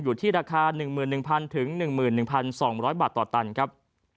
อยู่ที่ราคา๑๑๐๐๑๑๒๐๐บาทต่อตันครับ